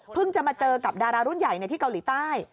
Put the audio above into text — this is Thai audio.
จะมาเจอกับดารารุ่นใหญ่ที่เกาหลีใต้